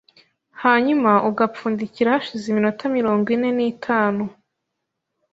hanyuma ugapfundikira hashize iminota mirongo ine nitanu